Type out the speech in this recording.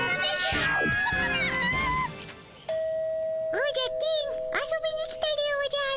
おじゃ金遊びに来たでおじゃる。